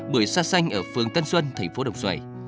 mười xa xanh ở phường tân xuân thành phố đồng xoài